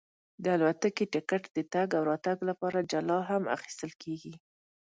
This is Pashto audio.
د الوتکې ټکټ د تګ او راتګ لپاره جلا هم اخیستل کېږي.